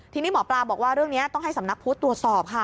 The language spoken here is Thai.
ทีนี้หมอปลาบอกว่าเรื่องนี้ต้องให้สำนักพุทธตรวจสอบค่ะ